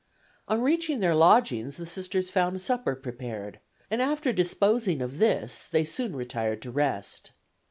On reaching their lodgings the Sisters found supper prepared, and after disposing of this they soon retired to rest.